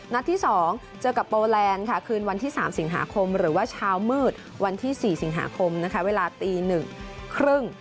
นัดที่๒เจอกับโปแลนด์คืนวันที่๓สิงหาคมหรือว่าเช้ามืดวันที่๔สิงหาคมเวลา๑๓๐น